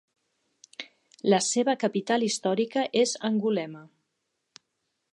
La seva capital històrica és Angulema.